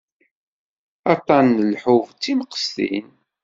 Aṭṭan n lḥubb d timqestin.